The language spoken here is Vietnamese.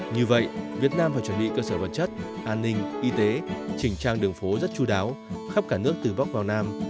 như vậy việt nam phải chuẩn bị cơ sở vật chất an ninh y tế chỉnh trang đường phố rất chú đáo khắp cả nước từ bắc vào nam